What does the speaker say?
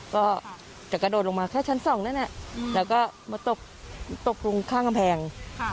ก็จะกระโดดลงมาแค่ชั้น๒นั่นแล้วก็มาตกลงข้างกำแพง